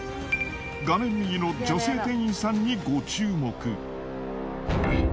画面右の女性店員さんにご注目。